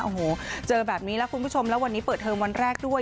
โอ้โหเจอแบบนี้แล้วคุณผู้ชมแล้ววันนี้เปิดเทอมวันแรกด้วย